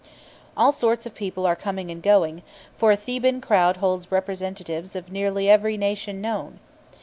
All sorts of people are coming and going, for a Theban crowd holds representatives of nearly every nation known.